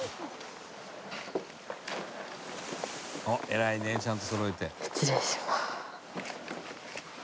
偉いねちゃんとそろえて」